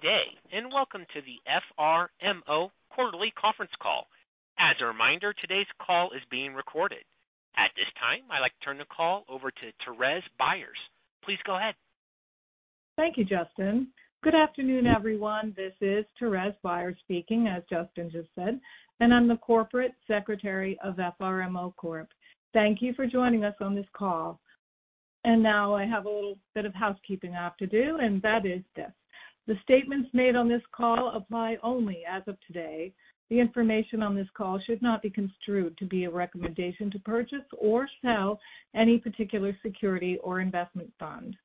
Day, welcome to the FRMO quarterly conference call. As a reminder, today's call is being recorded. At this time, I'd like to turn the call over to Thérèse Byars. Please go ahead. Thank you, Justin. Good afternoon, everyone. This is Thérèse Byars speaking, as Justin just said, and I'm the Corporate Secretary of FRMO Corp. Thank you for joining us on this call. Now I have a little bit of housekeeping I have to do, and that is this. The statements made on this call apply only as of today. The information on this call should not be construed to be a recommendation to purchase or sell any particular security or investment fund.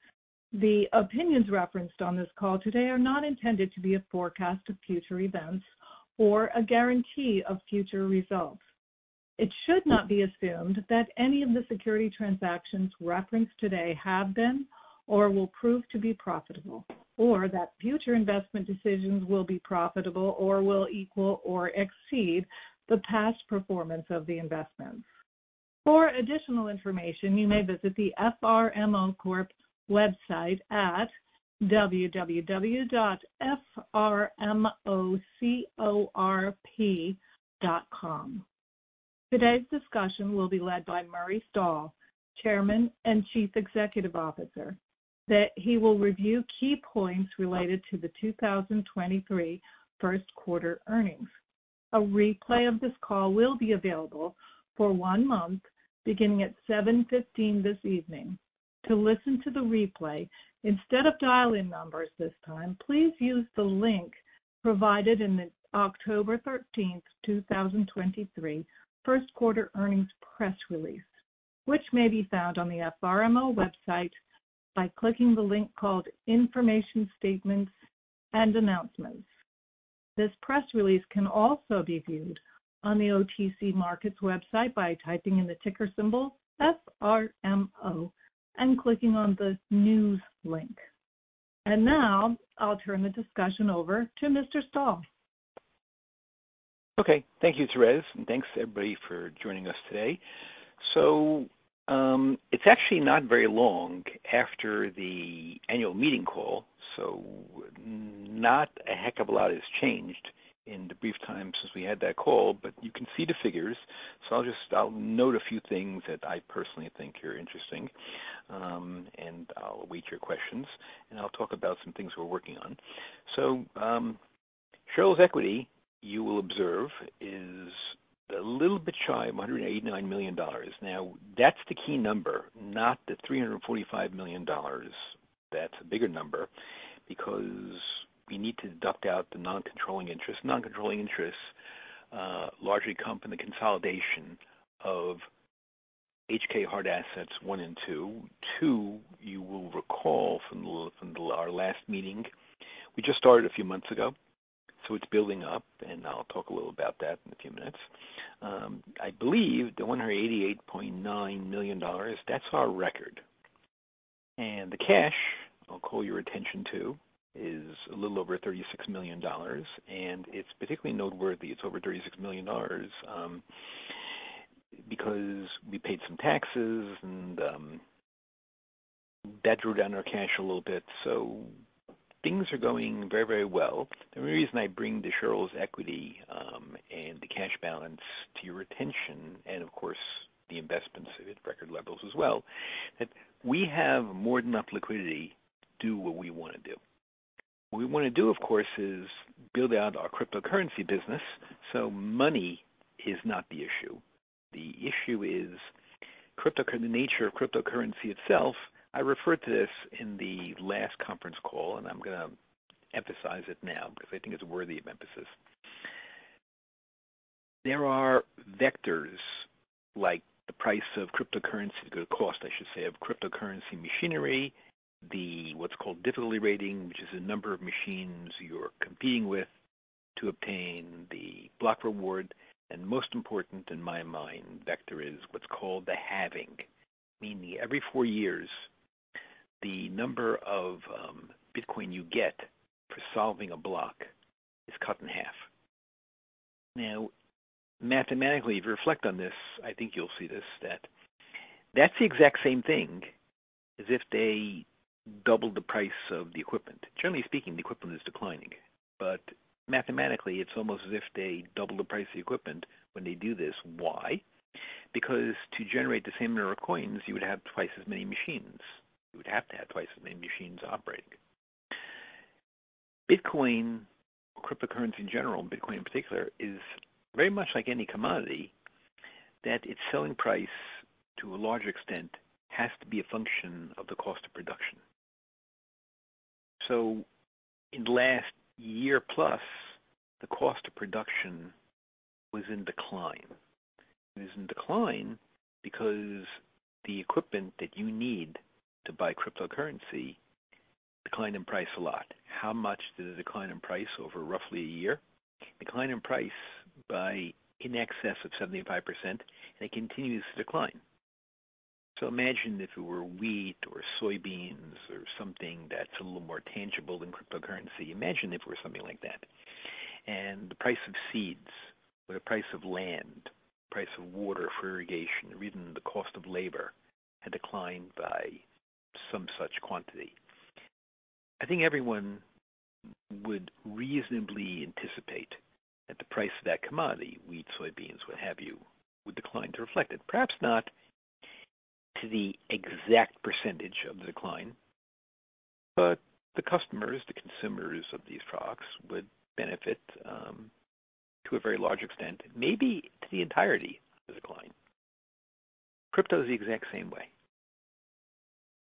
The opinions referenced on this call today are not intended to be a forecast of future events or a guarantee of future results. It should not be assumed that any of the security transactions referenced today have been or will prove to be profitable, or that future investment decisions will be profitable or will equal or exceed the past performance of the investments. For additional information, you may visit the FRMO Corp. website at www.F-R-M-O-C-O-R-P.com. Today's discussion will be led by Murray Stahl, Chairman and Chief Executive Officer, who will review key points related to the 2023 Q1 earnings. A replay of this call will be available for one month beginning at 7:50 P.M. this evening. To listen to the replay, instead of dial-in numbers this time, please use the link provided in the October 13th, 2023 Q1 earnings press release, which may be found on the FRMO website by clicking the link called Information Statements and Announcements. This press release can also be viewed on the OTC Markets website by typing in the ticker symbol FRMO and clicking on the News link. Now I'll turn the discussion over to Mr. Stahl. Okay. Thank you, Therese, and thanks, everybody, for joining us today. It's actually not very long after the annual meeting call, so not a heck of a lot has changed in the brief time since we had that call. You can see the figures. I'll just note a few things that I personally think are interesting, and I'll await your questions, and I'll talk about some things we're working on. Shareholders' equity, you will observe, is a little bit shy of $189 million. Now, that's the key number, not the $345 million. That's a bigger number because we need to deduct out the non-controlling interest. Non-controlling interests largely come from the consolidation of HK Hard Assets one and two. Too, you will recall from our last meeting, we just started a few months ago, so it's building up, and I'll talk a little about that in a few minutes. I believe the $188.9 million, that's our record. The cash I'll call your attention to is a little over $36 million. It's particularly noteworthy it's over $36 million, because we paid some taxes and that drew down our cash a little bit. Things are going very, very well. The only reason I bring the shareholders' equity and the cash balance to your attention and, of course, the investments at record levels as well, that we have more than enough liquidity to do what we wanna do. What we wanna do, of course, is build out our cryptocurrency business. Money is not the issue. The issue is the nature of cryptocurrency itself. I referred to this in the last conference call, and I'm gonna emphasize it now because I think it's worthy of emphasis. There are vectors like the price of cryptocurrency, the cost, I should say, of cryptocurrency machinery, the what's called difficulty rating, which is the number of machines you're competing with to obtain the block reward. Most important in my mind vector is what's called the halving. Meaning every four years, the number of Bitcoin you get for solving a block is cut in half. Now, mathematically, if you reflect on this, I think you'll see this, that that's the exact same thing as if they doubled the price of the equipment. Generally speaking, the equipment is declining, but mathematically it's almost as if they double the price of the equipment when they do this. Why? Because to generate the same number of coins, you would have twice as many machines. You would have to have twice as many machines operating. Bitcoin or cryptocurrency in general, Bitcoin in particular, is very much like any commodity, that its selling price to a large extent, has to be a function of the cost of production. In the last year plus, the cost of production was in decline. It was in decline because the equipment that you need to mine cryptocurrency declined in price a lot. How much did it decline in price over roughly a year? Declined in price by in excess of 75%, and it continues to decline. Imagine if it were wheat or soybeans or something that's a little more tangible than cryptocurrency. Imagine if it were something like that. The price of seeds or the price of land, price of water for irrigation, even the cost of labor had declined by some such quantity. I think everyone would reasonably anticipate that the price of that commodity, wheat, soybeans, what have you, would decline to reflect it. Perhaps not to the exact percentage of the decline, but the customers, the consumers of these products would benefit to a very large extent, maybe to the entirety of the decline. Crypto is the exact same way.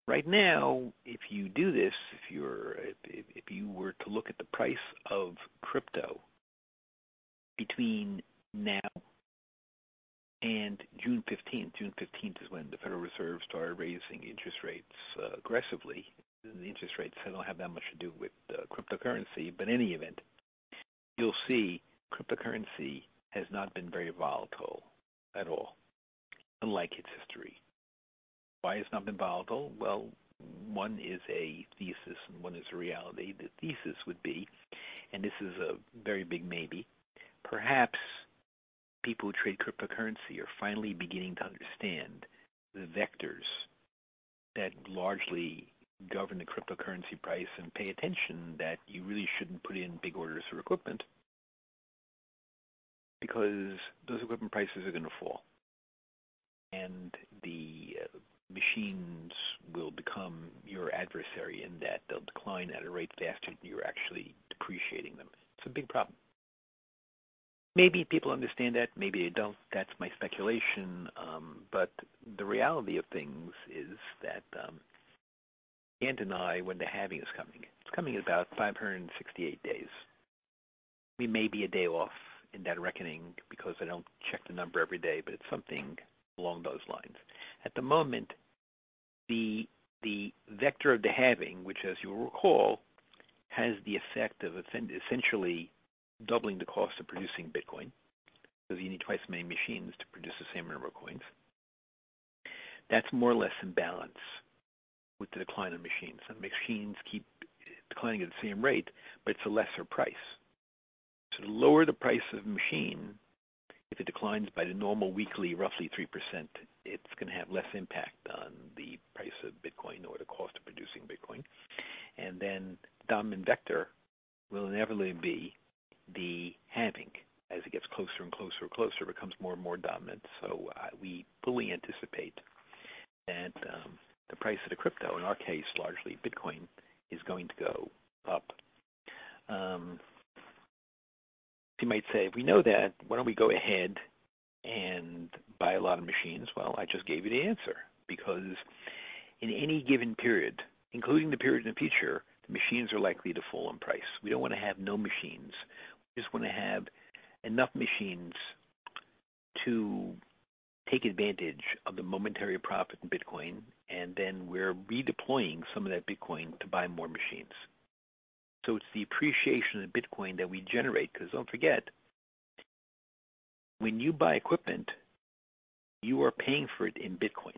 Right now, if you do this, if you were to look at the price of crypto between now and June fifteenth. June fifteenth is when the Federal Reserve started raising interest rates aggressively. The interest rates don't have that much to do with the cryptocurrency, but in any event, you'll see cryptocurrency has not been very volatile at all, unlike its history. Why it's not been volatile? Well, one is a thesis, and one is a reality. The thesis would be, and this is a very big maybe, perhaps people who trade cryptocurrency are finally beginning to understand the vectors that largely govern the cryptocurrency price and pay attention that you really shouldn't put in big orders for equipment because those equipment prices are gonna fall, and the machines will become your adversary, and that they'll decline at a rate faster than you're actually depreciating them. It's a big problem. Maybe people understand that, maybe they don't. That's my speculation. The reality of things is that, can't deny when the halving is coming. It's coming in about 568 days. We may be a day off in that reckoning because I don't check the number every day, but it's something along those lines. At the moment, the vector of the halving, which as you'll recall, has the effect of essentially doubling the cost of producing Bitcoin because you need twice as many machines to produce the same number of coins. That's more or less in balance with the decline in machines. The machines keep declining at the same rate, but it's a lesser price. So the lower the price of the machine, if it declines by the normal weekly, roughly 3%, it's gonna have less impact on the price of Bitcoin or the cost of producing Bitcoin. Then dominant vector will inevitably be the halving. As it gets closer and closer, it becomes more and more dominant. We fully anticipate that the price of the crypto, in our case, largely Bitcoin, is going to go up. You might say, "If we know that, why don't we go ahead and buy a lot of machines?" Well, I just gave you the answer. Because in any given period, including the period in the future, the machines are likely to fall in price. We don't wanna have no machines. We just wanna have enough machines to take advantage of the momentary profit in Bitcoin, and then we're redeploying some of that Bitcoin to buy more machines. It's the appreciation of the Bitcoin that we generate 'cause don't forget, when you buy equipment, you are paying for it in Bitcoin.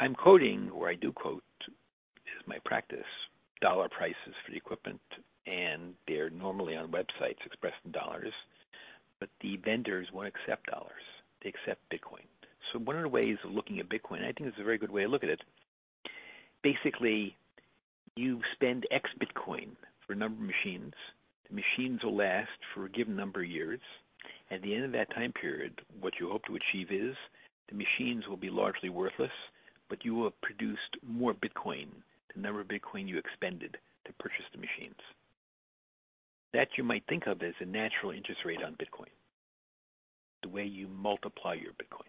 I'm quoting, or I do quote, this is my practice, dollar prices for the equipment, and they're normally on websites expressed in dollars, but the vendors won't accept dollars. They accept Bitcoin. One of the ways of looking at Bitcoin, I think this is a very good way to look at it. Basically, you spend X Bitcoin for a number of machines. The machines will last for a given number of years. At the end of that time period, what you hope to achieve is the machines will be largely worthless, but you will have produced more Bitcoin, the number of Bitcoin you expended to purchase the machines. That you might think of as a natural interest rate on Bitcoin, the way you multiply your Bitcoin.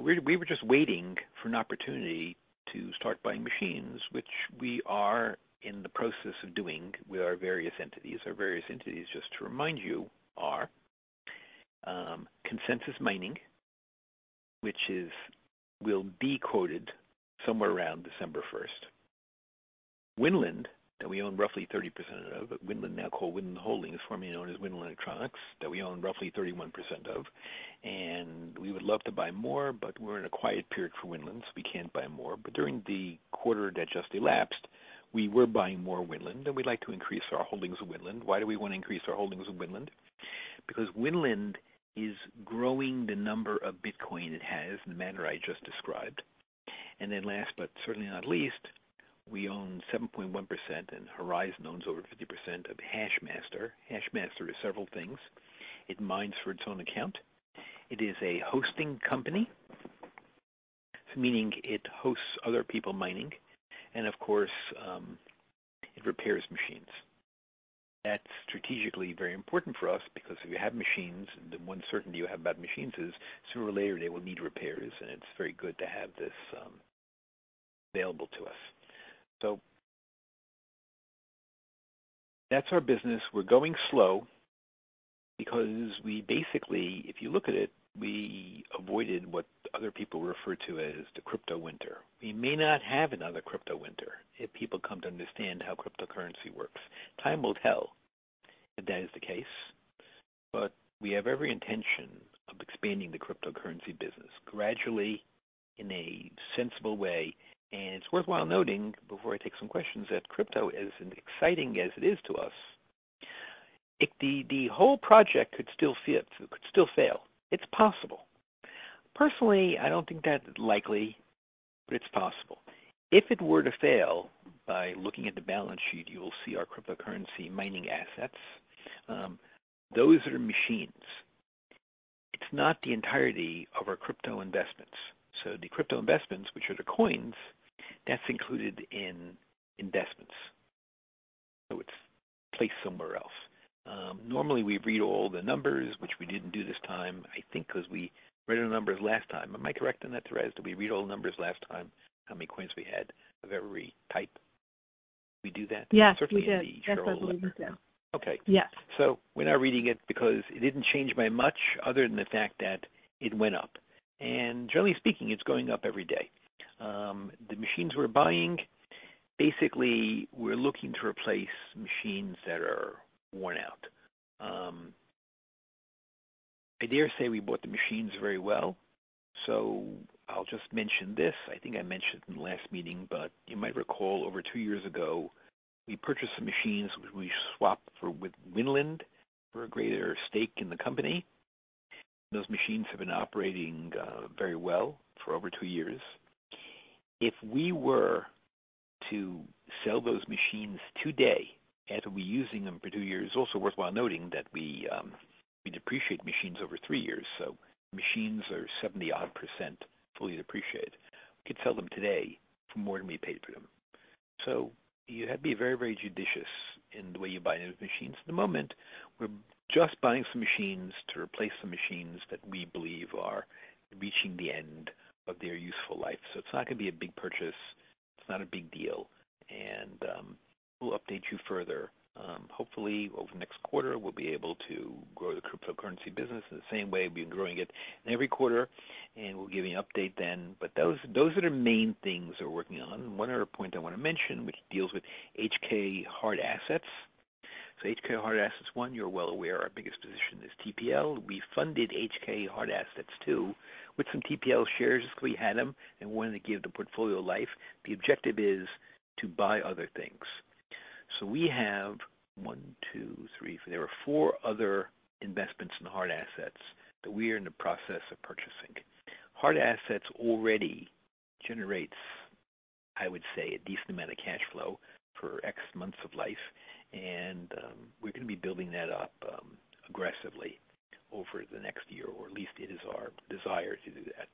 We were just waiting for an opportunity to start buying machines, which we are in the process of doing with our various entities. Our various entities, just to remind you, are Consensus Mining, which will be quoted somewhere around December first. Winland, that we own roughly 30% of. Winland now called Winland Holdings, formerly known as Winland Electronics, that we own roughly 31% of, and we would love to buy more, but we're in a quiet period for Winland, so we can't buy more. During the quarter that just elapsed, we were buying more Winland, and we'd like to increase our holdings of Winland. Why do we wanna increase our holdings of Winland? Because Winland is growing the number of Bitcoin it has in the manner I just described. Last, but certainly not least, we own 7.1%, and Horizon owns over 50% of Hashmaster. Hashmaster is several things. It mines for its own account. It is a hosting company, meaning it hosts other people mining, and of course, it repairs machines. That's strategically very important for us because if you have machines, the one certainty you have about machines is sooner or later they will need repairs, and it's very good to have this available to us. That's our business. We're going slow because we basically, if you look at it, we avoided what other people refer to as the crypto winter. We may not have another crypto winter if people come to understand how cryptocurrency works. Time will tell if that is the case. We have every intention of expanding the cryptocurrency business gradually in a sensible way. It's worthwhile noting before I take some questions, that crypto, as exciting as it is to us, the whole project could still fit, could still fail. It's possible. Personally, I don't think that's likely, but it's possible. If it were to fail, by looking at the balance sheet, you will see our cryptocurrency mining assets, those are machines. It's not the entirety of our crypto investments. So the crypto investments, which are the coins, that's included in investments, so it's placed somewhere else. Normally we read all the numbers, which we didn't do this time, I think because we read the numbers last time. Am I correct in that, Therese? Did we read all the numbers last time, how many coins we had of every type? Did we do that? Yes, we did. Certainly in the shareholder letter. Yes, I believe so. Okay. Yes. We're now reading it because it didn't change by much other than the fact that it went up. Generally speaking, it's going up every day. The machines we're buying, basically we're looking to replace machines that are worn out. I dare say we bought the machines very well. I'll just mention this. I think I mentioned in the last meeting, but you might recall over two years ago, we purchased some machines which we swapped for with Winland for a greater stake in the company. Those machines have been operating very well for over two years. If we were to sell those machines today after using them for two years. Also worth noting that we depreciate machines over three years, so machines are 70-odd% fully depreciated. We could sell them today for more than we paid for them. You have to be very, very judicious in the way you buy new machines. At the moment, we're just buying some machines to replace the machines that we believe are reaching the end of their useful life. It's not gonna be a big purchase. It's not a big deal. And we'll update you further. Hopefully over the next quarter, we'll be able to grow the cryptocurrency business in the same way we've been growing it in every quarter, and we'll give you an update then. But those are the main things we're working on. One other point I wanna mention, which deals with HK Hard Assets. HK Hard Assets One, you're well aware our biggest position is TPL. We funded HK Hard Assets Two with some TPL shares, 'cause we had them and wanted to give the portfolio life. The objective is to buy other things. We have one, two, three, four. There are four other investments in Hard Assets that we are in the process of purchasing. Hard Assets already generates, I would say, a decent amount of cash flow for X months of life. We're gonna be building that up aggressively over the next year, or at least it is our desire to do that.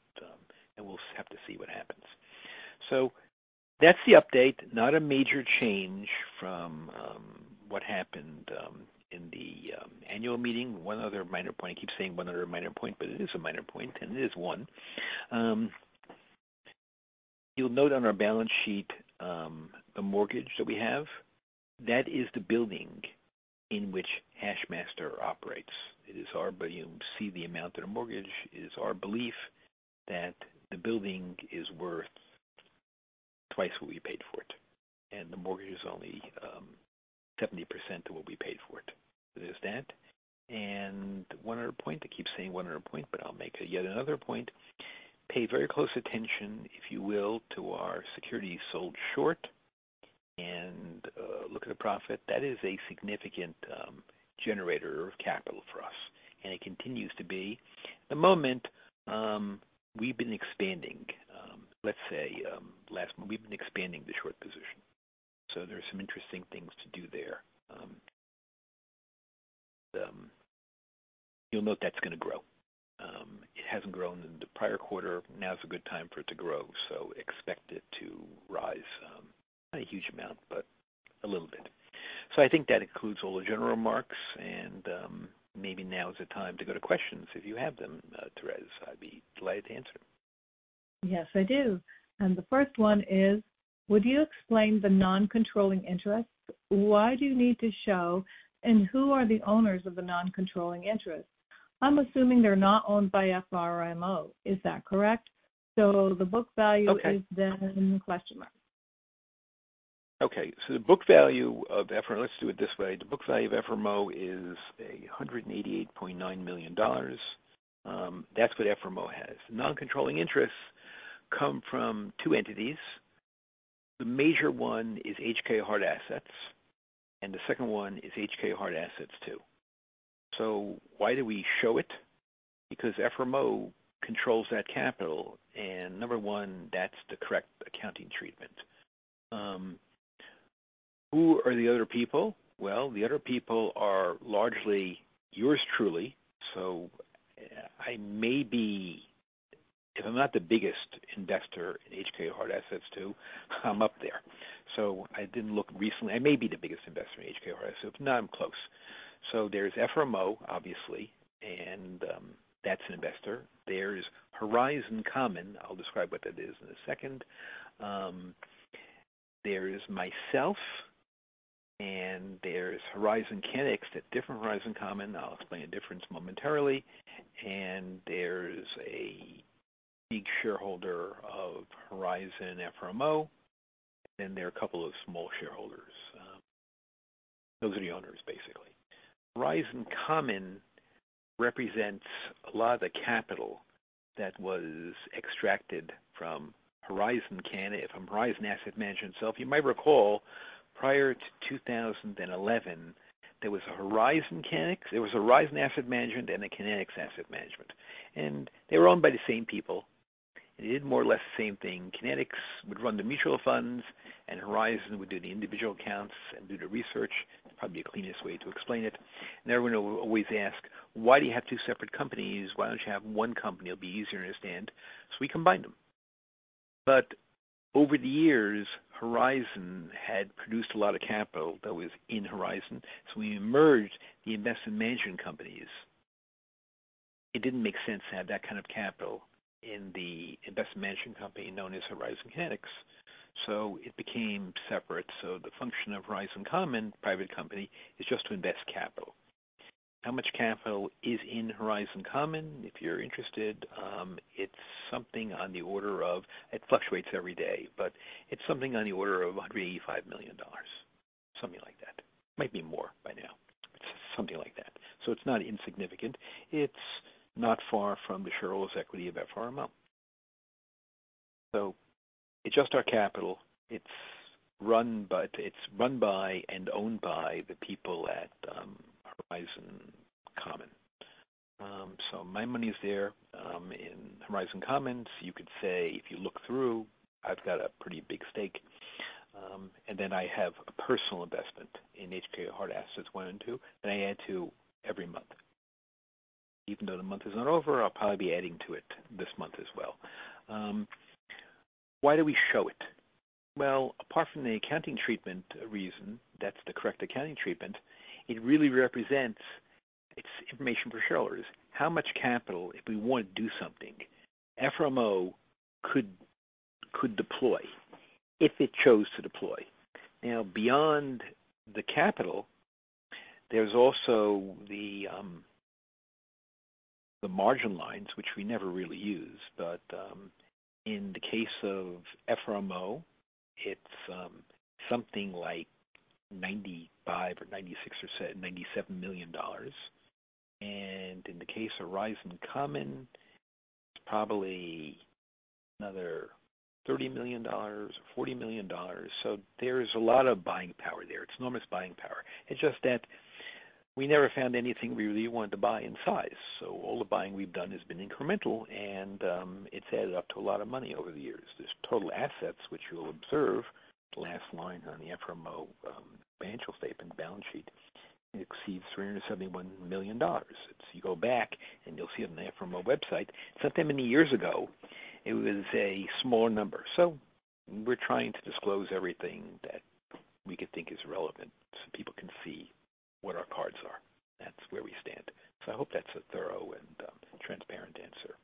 We'll have to see what happens. That's the update. Not a major change from what happened in the annual meeting. One other minor point. I keep saying one other minor point, but it is a minor point, and it is one. You'll note on our balance sheet the mortgage that we have, that is the building in which Hashmaster operates. You'll see the amount of the mortgage. It is our belief that the building is worth twice what we paid for it, and the mortgage is only 70% of what we paid for it. There's that. One other point. I keep saying one other point, but I'll make yet another point. Pay very close attention, if you will, to our security sold short and look at the profit. That is a significant generator of capital for us, and it continues to be. At the moment, we've been expanding, let's say, the short position, so there are some interesting things to do there. You'll note that's gonna grow. It hasn't grown in the prior quarter. Now is a good time for it to grow, so expect it to rise, not a huge amount, but a little bit. I think that includes all the general remarks, and, maybe now is the time to go to questions, if you have them, Therese. I'd be delighted to answer. Yes, I do. The first one is: Would you explain the non-controlling interest? Why do you need to show, and who are the owners of the non-controlling interest? I'm assuming they're not owned by FRMO, is that correct? The book value is then? Okay. Let's do it this way. The book value of FRMO is $188.9 million. That's what FRMO has. Non-controlling interests come from two entities. The major one is HK Hard Assets, and the second one is HK Hard Assets Two. Why do we show it? Because FRMO controls that capital, and number one, that's the correct accounting treatment. Who are the other people? Well, the other people are largely yours truly. I may be. If I'm not the biggest investor in HK Hard Assets Two, I'm up there. I didn't look recently. I may be the biggest investor in HK Hard Assets. No, I'm close. There's FRMO, obviously, and that's an investor. There's Horizon Common. I'll describe what that is in a second. There is myself, and there's Horizon Kinetics, that's different, Horizon Common. I'll explain the difference momentarily. There's a big shareholder of Horizon FRMO. There are a couple of small shareholders. Those are the owners basically. Horizon Common represents a lot of the capital that was extracted from Horizon Asset Management. If you might recall, prior to 2011, there was Horizon Asset Management and Kinetics Asset Management, and they were owned by the same people, and they did more or less the same thing. Kinetics would run the mutual funds and Horizon would do the individual accounts and do the research. That's probably the cleanest way to explain it. Everyone will always ask, "Why do you have two separate companies? Why don't you have one company? It'll be easier to understand." We combined them. Over the years, Horizon had produced a lot of capital that was in Horizon. We merged the investment management companies. It didn't make sense to have that kind of capital in the investment management company known as Horizon Kinetics. It became separate. The function of Horizon Common, private company, is just to invest capital. How much capital is in Horizon Common? If you're interested, it's something on the order of. It fluctuates every day, but it's something on the order of $185 million, something like that. Might be more by now. It's something like that. It's not insignificant. It's not far from the shareholders' equity of FRMO. It's just our capital. It's run by and owned by the people at Horizon Common. My money is there in Horizon Commons. You could say, if you look through, I've got a pretty big stake, and then I have a personal investment in HK Hard Assets 1 and 2, that I add to every month. Even though the month is not over, I'll probably be adding to it this month as well. Why do we show it? Well, apart from the accounting treatment reason, that's the correct accounting treatment. It really represents information for shareholders. How much capital, if we want to do something, FRMO could deploy if it chose to deploy. Now, beyond the capital, there's also the margin lines, which we never really use. In the case of FRMO, it's something like $95 million or $96 million or $97 million. In the case of Horizon Common, it's probably another $30 million or $40 million. There is a lot of buying power there. It's enormous buying power. It's just that we never found anything we really wanted to buy in size. All the buying we've done has been incremental, and it's added up to a lot of money over the years. There's total assets, which you'll observe, last line on the FRMO financial statement balance sheet exceeds $371 million. If you go back, and you'll see on the FRMO website, it's not that many years ago, it was a smaller number. We're trying to disclose everything that we could think is relevant so people can see what our cards are. That's where we stand. I hope that's a thorough and transparent answer.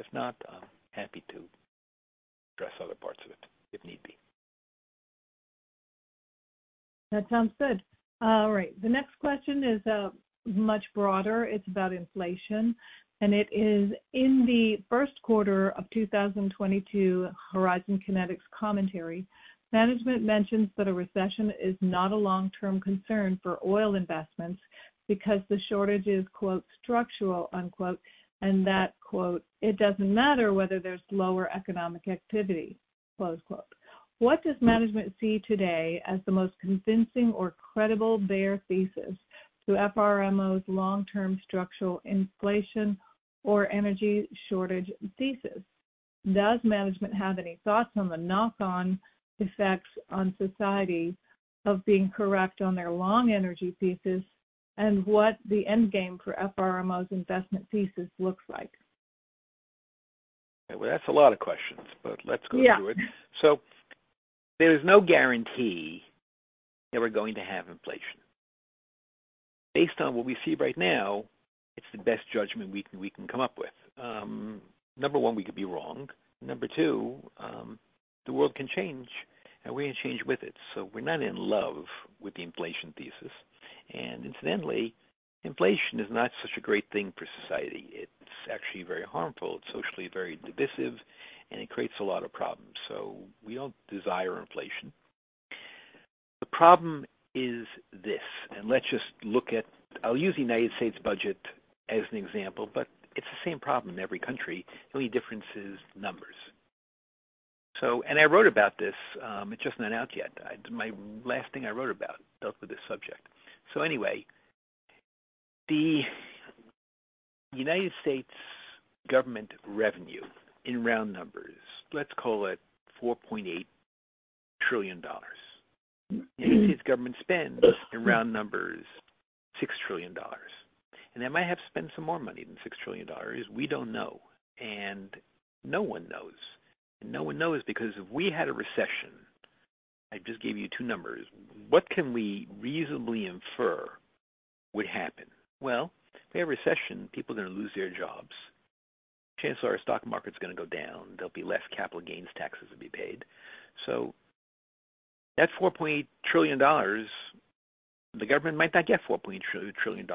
If not, I'm happy to address other parts of it if need be. That sounds good. All right. The next question is much broader. It's about inflation, and it is: In the Q1 of 2022 Horizon Kinetics commentary, management mentions that a recession is not a long-term concern for oil investments because the shortage is "structural", and that "it doesn't matter whether there's lower economic activity". What does management see today as the most convincing or credible bear thesis to FRMO's long-term structural inflation or energy shortage thesis? Does management have any thoughts on the knock-on effects on society of being correct on their long energy thesis and what the end game for FRMO's investment thesis looks like? Well, that's a lot of questions, but let's go through it. Yeah. There is no guarantee that we're going to have inflation. Based on what we see right now, it's the best judgment we can come up with. Number one, we could be wrong. Number two, the world can change, and we're going to change with it. We're not in love with the inflation thesis. Incidentally, inflation is not such a great thing for society. It's actually very harmful. It's socially very divisive, and it creates a lot of problems. We don't desire inflation. The problem is this, and let's just look at the United States budget as an example, but it's the same problem in every country. The only difference is numbers. I wrote about this. It's just not out yet. My last thing I wrote about dealt with this subject. Anyway, the United States government revenue, in round numbers, let's call it $4.8 trillion. The United States government spends, in round numbers, $6 trillion. They might have to spend some more money than $6 trillion. We don't know. No one knows because if we had a recession, I just gave you two numbers, what can we reasonably infer would happen? Well, if we have a recession, people are going to lose their jobs. Chances are stock market's gonna go down. There'll be less capital gains taxes to be paid. That $4.8 trillion, the government might not get $4.8 trillion.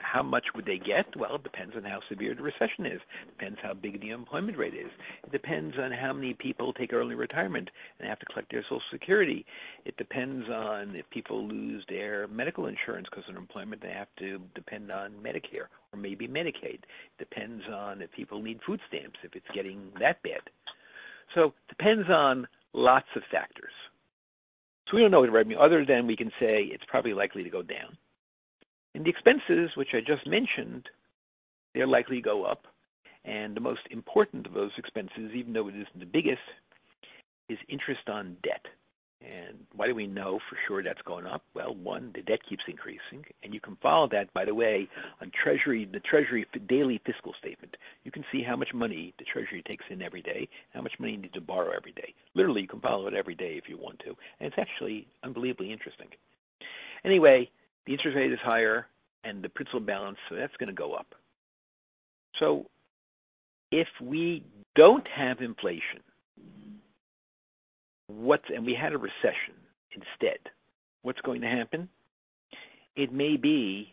How much would they get? Well, it depends on how severe the recession is. Depends how big the unemployment rate is. It depends on how many people take early retirement and have to collect their Social Security. It depends on if people lose their medical insurance because of unemployment. They have to depend on Medicare or maybe Medicaid. Depends on if people need food stamps, if it's getting that bad. Depends on lots of factors. We don't know what it would be other than we can say it's probably likely to go down. The expenses which I just mentioned, they're likely to go up. The most important of those expenses, even though it isn't the biggest, is interest on debt. Why do we know for sure that's going up? Well, one, the debt keeps increasing. You can follow that, by the way, on Treasury, the Daily Treasury Statement. You can see how much money the Treasury takes in every day, how much money you need to borrow every day. Literally, you can follow it every day if you want to. It's actually unbelievably interesting. Anyway, the interest rate is higher and the principal balance, so that's gonna go up. If we don't have inflation, what's, and we had a recession instead, what's going to happen? It may be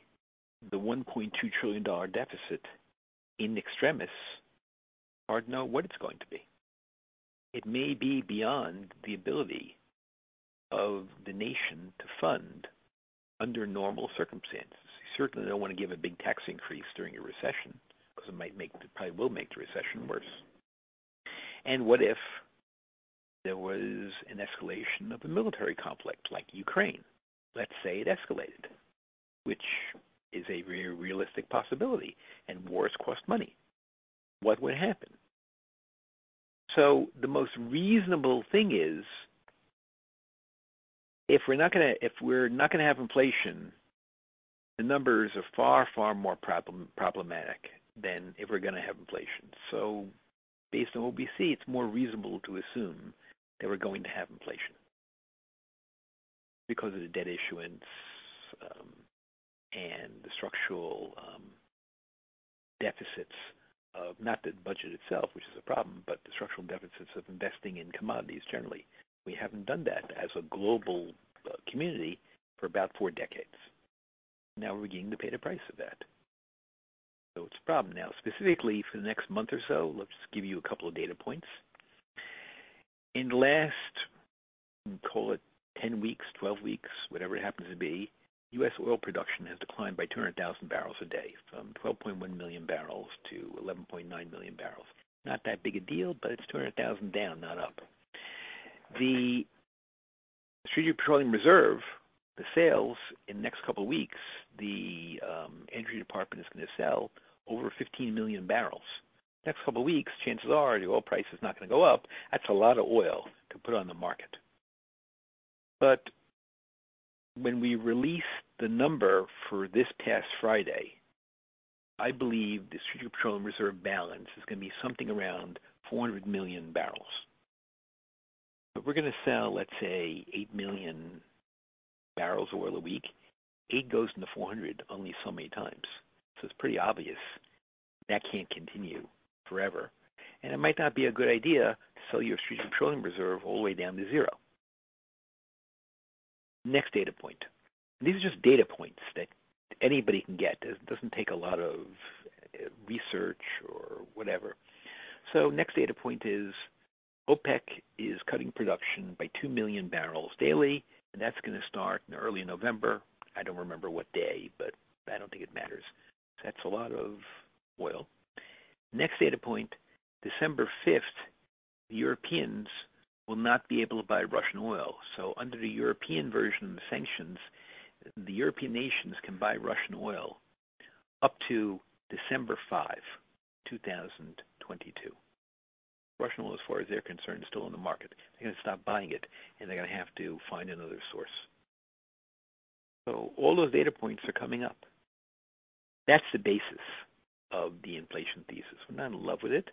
the $1.2 trillion deficit in extremis. Hard to know what it's going to be. It may be beyond the ability of the nation to fund under normal circumstances. You certainly don't want to give a big tax increase during a recession because it might make, it probably will make the recession worse. What if there was an escalation of the military conflict like Ukraine? Let's say it escalated, which is a very realistic possibility, and wars cost money. What would happen? The most reasonable thing is if we're not gonna have inflation, the numbers are far, far more problematic than if we're gonna have inflation. Based on what we see, it's more reasonable to assume that we're going to have inflation because of the debt issuance and the structural deficits of not the budget itself, which is a problem, but the structural deficits of investing in commodities generally. We haven't done that as a global community for about four decades. Now we're beginning to pay the price of that. It's a problem. Specifically for the next month or so, let's give you a couple of data points. In the last, call it 10 weeks, 12 weeks, whatever it happens to be, U.S. oil production has declined by 200,000 barrels a day from 12.1 million barrels to 11.9 million barrels. Not that big a deal, but it's 200,000 down, not up. The Strategic Petroleum Reserve, the sales in the next couple of weeks, the Energy Department is gonna sell over 15 million barrels. Next couple weeks, chances are the oil price is not gonna go up. That's a lot of oil to put on the market. When we release the number for this past Friday, I believe the Strategic Petroleum Reserve balance is gonna be something around 400 million barrels. We're gonna sell, let's say, 8 million barrels of oil a week. 8 goes into 400 only so many times. It's pretty obvious that can't continue forever. It might not be a good idea to sell your Strategic Petroleum Reserve all the way down to zero. Next data point. These are just data points that anybody can get. It doesn't take a lot of research or whatever. Next data point is OPEC is cutting production by 2 million barrels daily. That's gonna start in early November. I don't remember what day, but I don't think it matters. That's a lot of oil. Next data point, December 5, the Europeans will not be able to buy Russian oil. Under the European version of the sanctions, the European nations can buy Russian oil up to December 5, 2022. Russian oil, as far as they're concerned, is still on the market. They're gonna stop buying it, and they're gonna have to find another source. All those data points are coming up. That's the basis of the inflation thesis. We're not in love with it.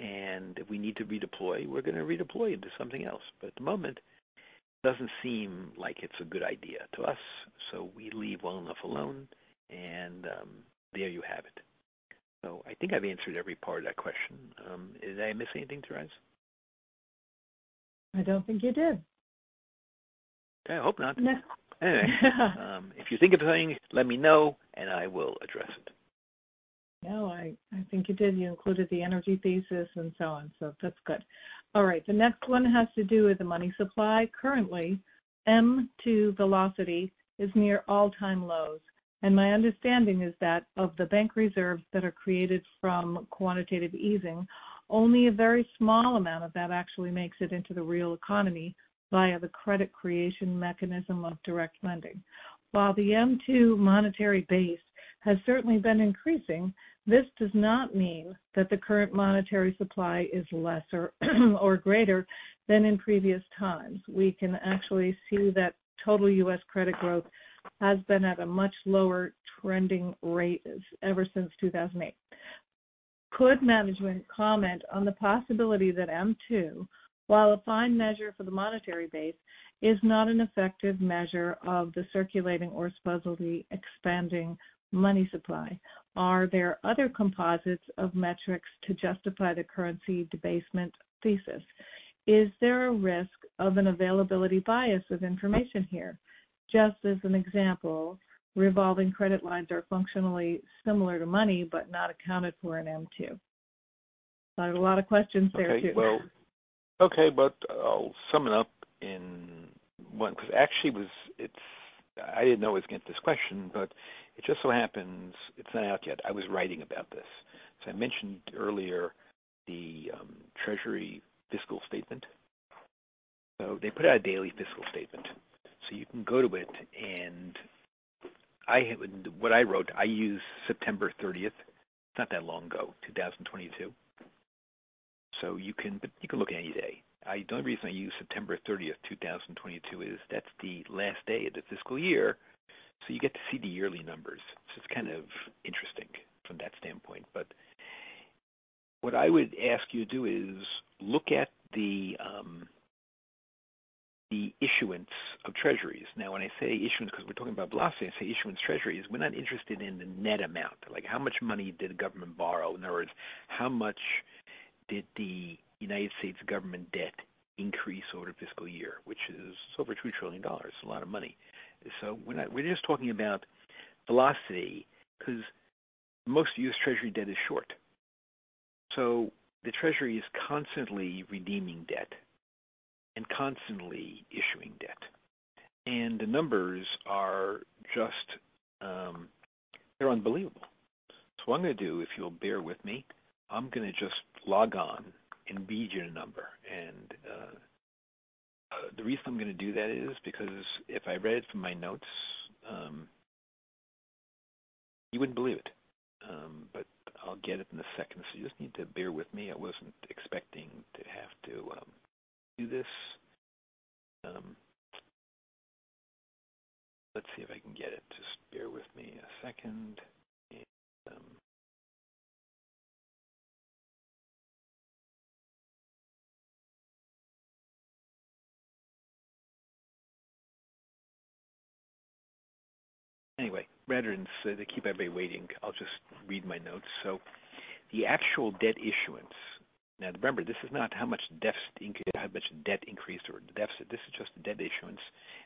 If we need to redeploy, we're gonna redeploy it to something else. At the moment, it doesn't seem like it's a good idea to us. We leave well enough alone. There you have it. I think I've answered every part of that question. Did I miss anything, Therese? I don't think you did. I hope not. No. Anyway, if you think of anything, let me know, and I will address it. No, I think you did. You included the energy thesis and so on. That's good. All right, the next one has to do with the money supply. Currently, M2 velocity is near all-time lows, and my understanding is that of the bank reserves that are created from quantitative easing, only a very small amount of that actually makes it into the real economy via the credit creation mechanism of direct lending. While the M2 monetary base has certainly been increasing, this does not mean that the current monetary supply is lesser or greater than in previous times. We can actually see that total U.S. credit growth has been at a much lower trending rate ever since 2008. Could management comment on the possibility that M2, while a fine measure for the monetary base, is not an effective measure of the circulating or supposedly expanding money supply? Are there other composites of metrics to justify the currency debasement thesis? Is there a risk of an availability bias of information here? Just as an example, revolving credit lines are functionally similar to money, but not accounted for in M2. I have a lot of questions there, too. I'll sum it up in one, 'cause actually I didn't know I was getting this question, but it just so happens it's not out yet. I was writing about this. I mentioned earlier the Daily Treasury Statement. They put out a Daily Treasury Statement. You can go to it. What I wrote, I use September 30, 2022. It's not that long ago, 2022. You can look at any day. The only reason I use September 30, 2022 is that's the last day of the fiscal year, so you get to see the yearly numbers. It's kind of interesting from that standpoint. What I would ask you to do is look at the issuance of Treasuries. Now, when I say issuance, 'cause we're talking about velocity, I say issuance treasuries, we're not interested in the net amount. Like, how much money did the government borrow? In other words, how much did the United States government debt increase over the fiscal year, which is over $2 trillion. A lot of money. We're just talking about velocity, 'cause most U.S. Treasury debt is short. The Treasury is constantly redeeming debt and constantly issuing debt, and the numbers are just unbelievable. What I'm gonna do, if you'll bear with me, I'm gonna just log on and read you a number. The reason I'm gonna do that is because if I read it from my notes, you wouldn't believe it. But I'll get it in a second, so you just need to bear with me. I wasn't expecting to have to do this. Let's see if I can get it. Just bear with me a second. Anyway, rather than keep everybody waiting, I'll just read my notes. The actual debt issuance. Now, remember, this is not how much deficit how much debt increased or the deficit. This is just the debt issuance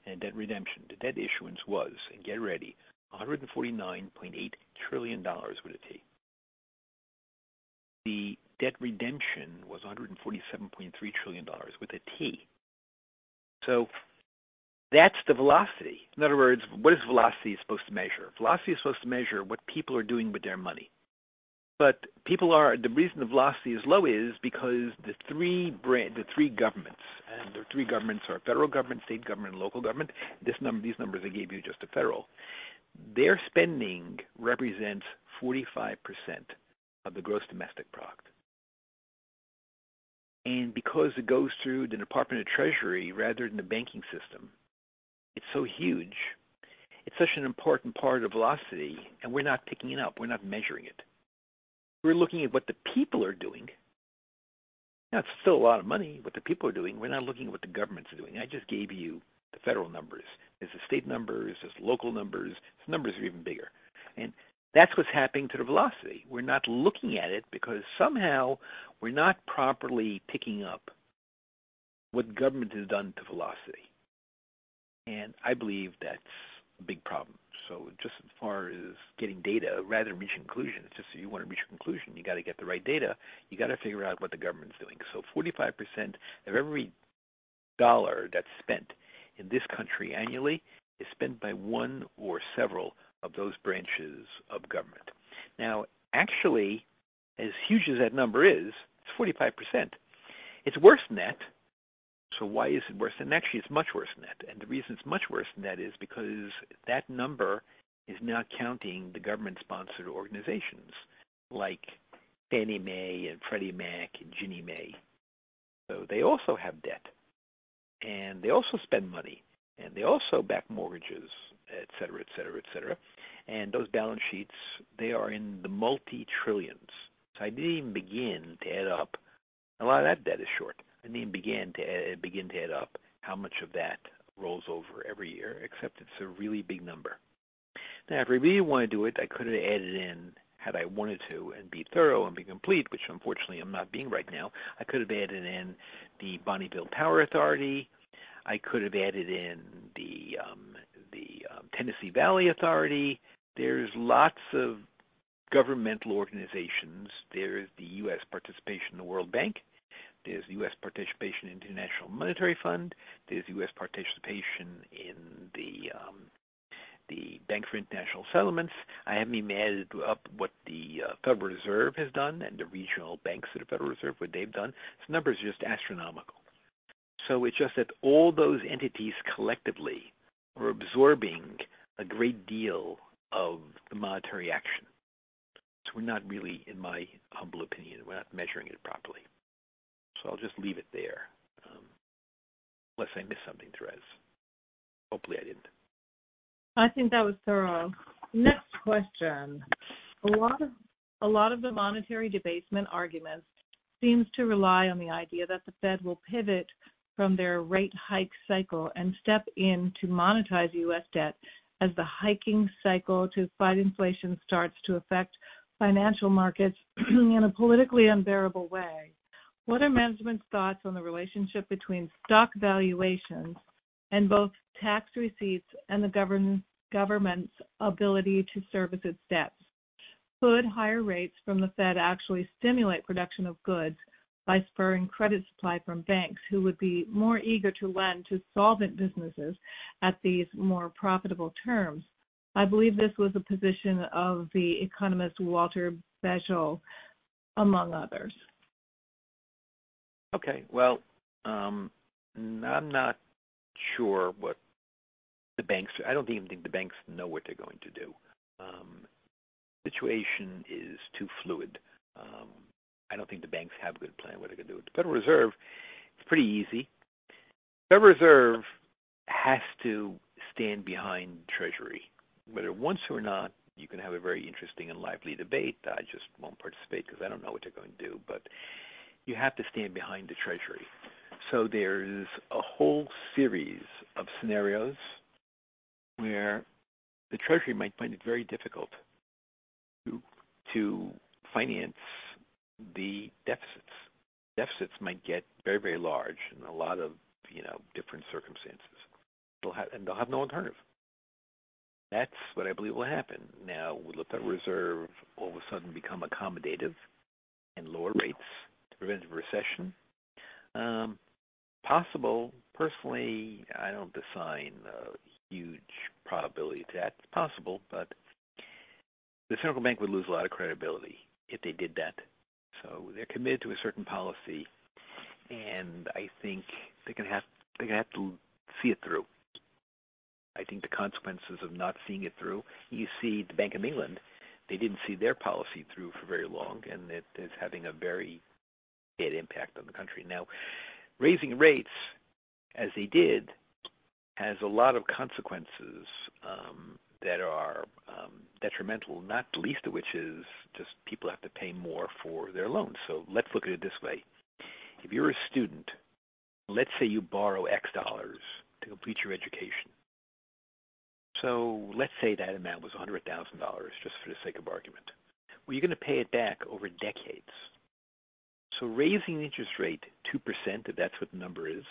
and debt redemption. The debt issuance was, and get ready, $149.8 trillion with a T. The debt redemption was $147.3 trillion with a T. That's the velocity. In other words, what is velocity supposed to measure? Velocity is supposed to measure what people are doing with their money. The reason the velocity is low is because the three governments are federal government, state government, local government. These numbers I gave you are just the federal. Their spending represents 45% of the gross domestic product. Because it goes through the Department of the Treasury rather than the banking system, it's so huge, it's such an important part of velocity, and we're not picking it up. We're not measuring it. We're looking at what the people are doing. Now, it's still a lot of money, what the people are doing. We're not looking at what the governments are doing. I just gave you the federal numbers. There's the state numbers, there's local numbers. These numbers are even bigger. That's what's happening to the velocity. We're not looking at it because somehow we're not properly picking up what government has done to velocity, and I believe that's a big problem. Just as far as getting data, rather than reach a conclusion, it's just so you wanna reach a conclusion, you gotta get the right data. You gotta figure out what the government's doing. 45% of every dollar that's spent in this country annually is spent by one or several of those branches of government. Now, actually, as huge as that number is, it's 45%. It's worse than that. Why is it worse than that? Actually, it's much worse than that. The reason it's much worse than that is because that number is not counting the government-sponsored organizations like Fannie Mae and Freddie Mac and Ginnie Mae. They also have debt, and they also spend money, and they also back mortgages, et cetera, et cetera, et cetera. Those balance sheets, they are in the multi-trillions. I didn't even begin to add up. A lot of that debt is short. I didn't begin to add up how much of that rolls over every year, except it's a really big number. Now, if I really wanna do it, I could've added in, had I wanted to, and be thorough and be complete, which unfortunately I'm not being right now. I could have added in the Bonneville Power Administration. I could have added in the Tennessee Valley Authority. There's lots of governmental organizations. There's the U.S. participation in the World Bank. There's U.S. participation in the International Monetary Fund. There's U.S. participation in the Bank for International Settlements. I haven't even added up what the Federal Reserve has done and the regional banks of the Federal Reserve, what they've done. These numbers are just astronomical. It's just that all those entities collectively are absorbing a great deal of the monetary action. We're not really, in my humble opinion, measuring it properly. I'll just leave it there, unless I missed something, Therese. Hopefully I didn't. I think that was thorough. Next question. A lot of the monetary debasement arguments seems to rely on the idea that the Fed will pivot from their rate hike cycle and step in to monetize U.S. debt as the hiking cycle to fight inflation starts to affect financial markets in a politically unbearable way. What are management's thoughts on the relationship between stock valuations and both tax receipts and the government's ability to service its debts? Could higher rates from the Fed actually stimulate production of goods by spurring credit supply from banks who would be more eager to lend to solvent businesses at these more profitable terms? I believe this was a position of the economist Walter Bagehot, among others. Well, I'm not sure what the banks. I don't even think the banks know what they're going to do. Situation is too fluid. I don't think the banks have a good plan what they're gonna do. With the Federal Reserve, it's pretty easy. Federal Reserve has to stand behind Treasury, whether it wants to or not. You can have a very interesting and lively debate. I just won't participate because I don't know what they're gonna do. You have to stand behind the Treasury. There's a whole series of scenarios where the Treasury might find it very difficult to finance the deficits. Deficits might get very, very large in a lot of, you know, different circumstances. They'll have no alternative. That's what I believe will happen. Now, will the Federal Reserve all of a sudden become accommodative and lower rates to prevent a recession? Possible. Personally, I don't assign a huge probability to that. It's possible, but the central bank would lose a lot of credibility if they did that. They're committed to a certain policy, and I think they're gonna have to see it through. I think the consequences of not seeing it through. You see the Bank of England, they didn't see their policy through for very long, and it is having a very bad impact on the country. Now, raising rates as they did, has a lot of consequences that are detrimental, not the least of which is just people have to pay more for their loans. Let's look at it this way. If you're a student, let's say you borrow X dollars to complete your education. Let's say that amount was $100,000, just for the sake of argument. Well, you're gonna pay it back over decades. Raising the interest rate 2%, if that's what the number is,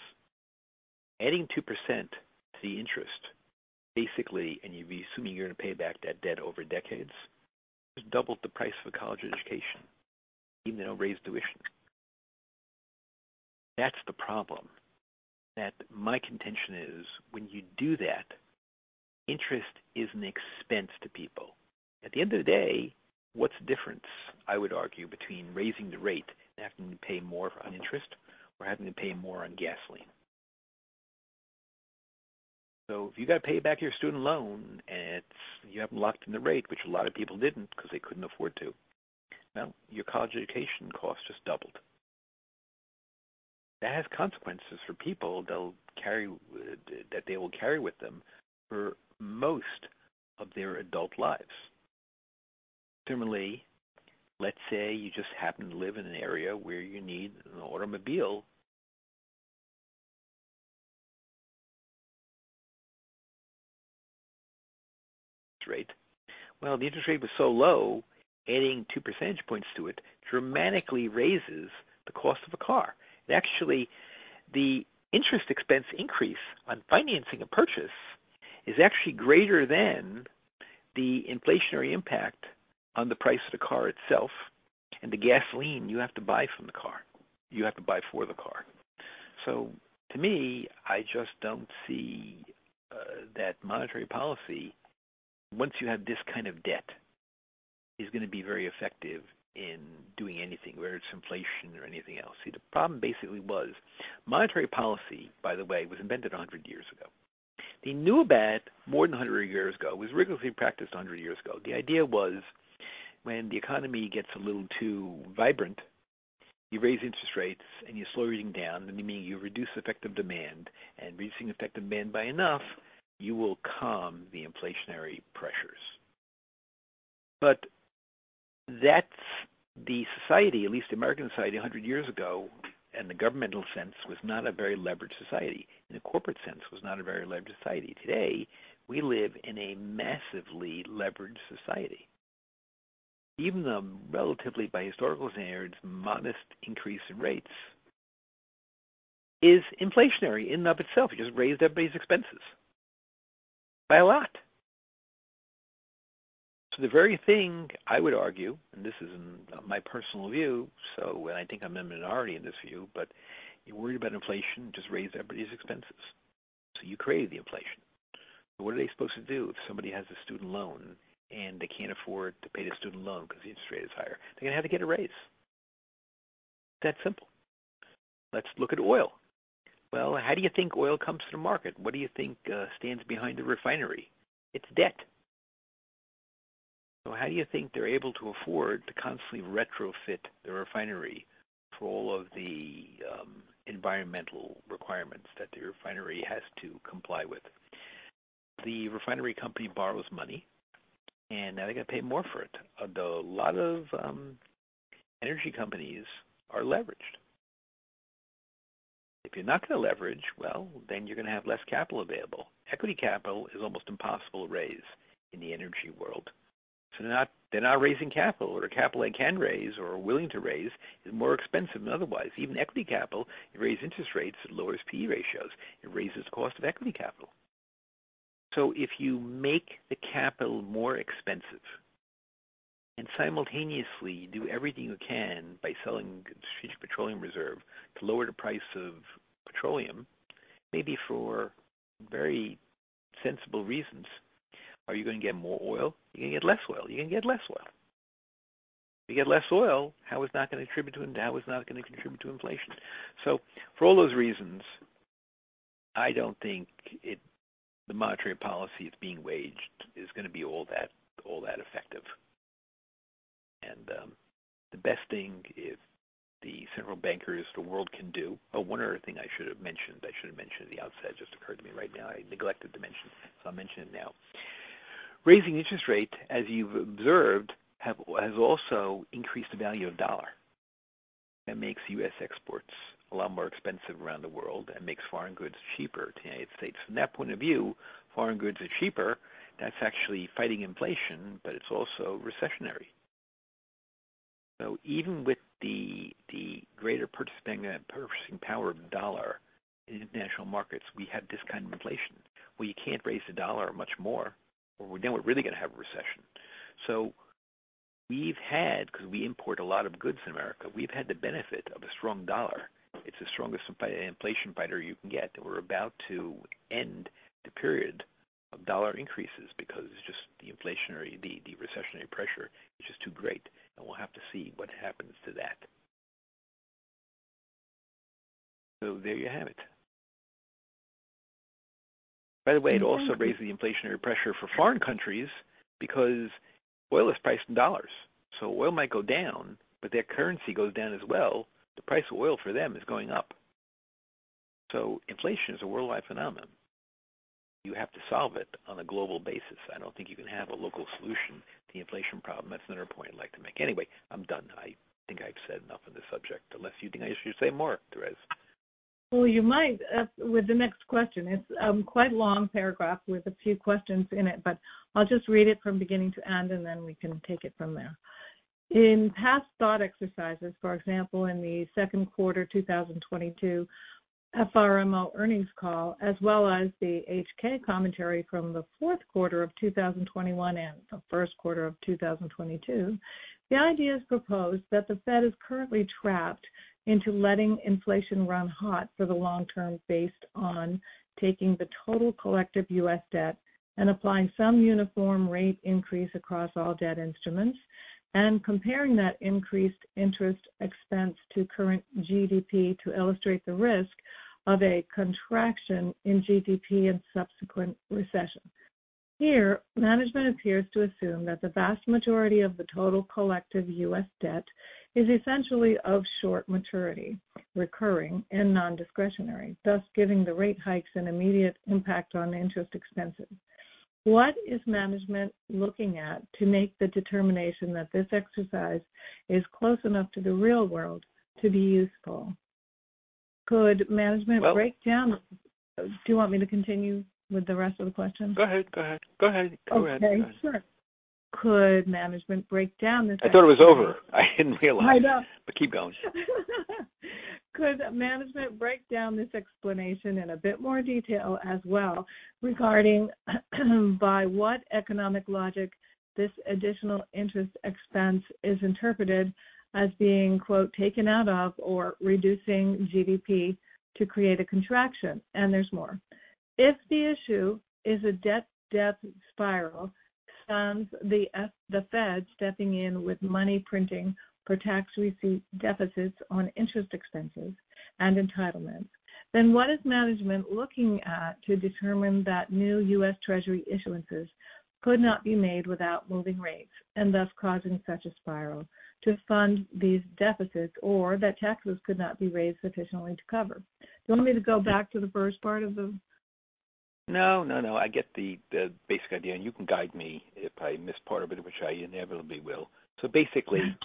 adding 2% to the interest, basically, and you'd be assuming you're gonna pay back that debt over decades, just doubled the price of a college education. Even though it raised tuition. That's the problem. That's my contention is when you do that, interest is an expense to people. At the end of the day, what's the difference, I would argue, between raising the rate and having to pay more on interest or having to pay more on gasoline. If you gotta pay back your student loan and you have locked in the rate, which a lot of people didn't because they couldn't afford to, now your college education cost just doubled. That has consequences for people that they will carry with them for most of their adult lives. Similarly, let's say you just happen to live in an area where you need an automobile rate. Well, the interest rate was so low, adding two percentage points to it dramatically raises the cost of a car. Actually, the interest expense increase on financing a purchase is actually greater than the inflationary impact on the price of the car itself and the gasoline you have to buy for the car. To me, I just don't see that monetary policy, once you have this kind of debt, is gonna be very effective in doing anything, whether it's inflation or anything else. Monetary policy, by the way, was invented 100 years ago. They knew about it more than 100 years ago. It was rigorously practiced 100 years ago. The idea was when the economy gets a little too vibrant, you raise interest rates and you slow everything down, meaning you reduce effective demand. Reducing effective demand by enough, you will calm the inflationary pressures. That's the society, at least the American society 100 years ago, in the governmental sense, was not a very leveraged society. In a corporate sense, was not a very leveraged society. Today, we live in a massively leveraged society. Even the relatively, by historical standards, modest increase in rates is inflationary in and of itself. It just raised everybody's expenses. By a lot. The very thing I would argue, and this is my personal view, so and I think I'm in the minority in this view, but you're worried about inflation, just raised everybody's expenses. You created the inflation. What are they supposed to do if somebody has a student loan and they can't afford to pay the student loan because the interest rate is higher? They're gonna have to get a raise. It's that simple. Let's look at oil. Well, how do you think oil comes to the market? What do you think stands behind a refinery? It's debt. How do you think they're able to afford to constantly retrofit the refinery for all of the environmental requirements that the refinery has to comply with? The refinery company borrows money, and now they're gonna pay more for it. Although a lot of energy companies are leveraged. If you're not gonna leverage, well, then you're gonna have less capital available. Equity capital is almost impossible to raise in the energy world. They're not raising capital. What capital they can raise or are willing to raise is more expensive than otherwise. Even equity capital, you raise interest rates, it lowers P/E ratios. It raises the cost of equity capital. If you make the capital more expensive and simultaneously do everything you can by selling Strategic Petroleum Reserve to lower the price of petroleum, maybe for very sensible reasons, are you gonna get more oil? You're gonna get less oil. If you get less oil, how is that gonna contribute to inflation? For all those reasons, I don't think the monetary policy that's being waged is gonna be all that effective. Oh, one other thing I should have mentioned. I should have mentioned at the outset. It just occurred to me right now. I neglected to mention it, so I'll mention it now. Raising interest rates, as you've observed, has also increased the value of the dollar. That makes U.S. exports a lot more expensive around the world and makes foreign goods cheaper to the United States. From that point of view, foreign goods are cheaper. That's actually fighting inflation, but it's also recessionary. Even with the greater purchasing power of the dollar in international markets, we have this kind of inflation where you can't raise the dollar much more or then we're really gonna have a recession. We've had 'cause we import a lot of goods in America, we've had the benefit of a strong dollar. It's the strongest inflation fighter you can get, and we're about to end the period of dollar increases because it's just the recessionary pressure is just too great. We'll have to see what happens to that. There you have it. By the way, it also raises the inflationary pressure for foreign countries because oil is priced in dollars. Oil might go down, but their currency goes down as well. The price of oil for them is going up. Inflation is a worldwide phenomenon. You have to solve it on a global basis. I don't think you can have a local solution to the inflation problem. That's another point I'd like to make. Anyway, I'm done. I think I've said enough on this subject, unless you think I should say more, Thérèse. Well, you might with the next question. It's quite a long paragraph with a few questions in it, but I'll just read it from beginning to end, and then we can take it from there. In past thought exercises, for example, in the Q2 2022 FRMO earnings call, as well as the HK commentary from the Q4 of 2021 and the Q1 of 2022, the idea is proposed that the Fed is currently trapped into letting inflation run hot for the long term based on taking the total collective U.S. debt and applying some uniform rate increase across all debt instruments and comparing that increased interest expense to current GDP to illustrate the risk of a contraction in GDP and subsequent recession. Here, management appears to assume that the vast majority of the total collective U.S. debt is essentially of short maturity, recurring, and non-discretionary, thus giving the rate hikes an immediate impact on interest expenses. What is management looking at to make the determination that this exercise is close enough to the real world to be useful? Could management break down? Well- Do you want me to continue with the rest of the question? Go ahead. Okay, sure. Could management break down this? I thought it was over. I didn't realize. I know. Keep going. Could management break down this explanation in a bit more detail as well regarding by what economic logic this additional interest expense is interpreted as being, quote, "taken out of" or reducing GDP to create a contraction? There's more. If the issue is a debt spiral, the Fed stepping in with money printing for tax receipt deficits on interest expenses and entitlements, then what is management looking at to determine that new U.S. Treasury issuances could not be made without moving rates and thus causing such a spiral to fund these deficits or that taxes could not be raised sufficiently to cover? Do you want me to go back to the first part of the? No, no. I get the basic idea, and you can guide me if I miss part of it, which I inevitably will. Basically-